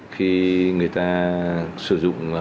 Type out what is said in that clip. khi người ta sử dụng